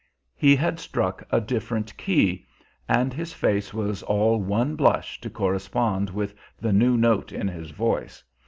He had struck a different key, and his face was all one blush to correspond with the new note in his voice.